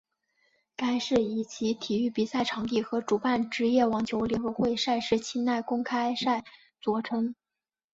该市以其体育比赛场地和主办职业网球联合会赛事清奈公开赛着称。